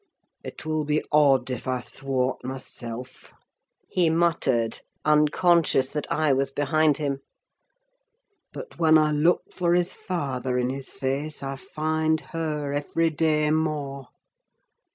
"It will be odd if I thwart myself," he muttered, unconscious that I was behind him. "But when I look for his father in his face, I find her every day more!